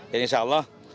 dan insya allah